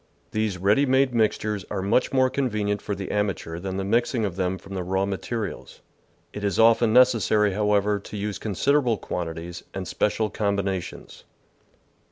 These ready made mixtures are much more convenient for the amateur than the mixing of them from the raw materials. It is often neces sary, however, to use considerable quantities and special combinations.